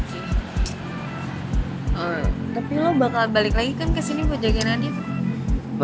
tapi lo bakal balik lagi kan kesini buat jajanannya